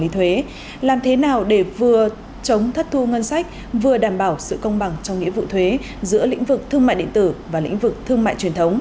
tại địa bàn nơi đây